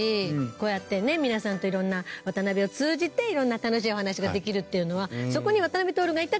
こうやってね皆さんと色んな渡辺を通じて色んな楽しいお話ができるっていうのはそこに渡辺徹がいたからであって。